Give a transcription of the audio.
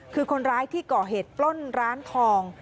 คือคนร้ายที่ก่อเหตุปล้นร้านทอง